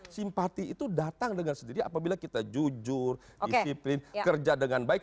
simpati itu datang dengan sendiri apabila kita jujur disiplin kerja dengan baik